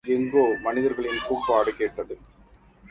எங்கோ, மனிதர்களின் கூப்பாடு கேட்டது.